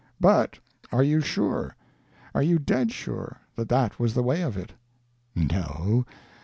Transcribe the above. But are you sure, are you dead sure, that that was the way of it? No.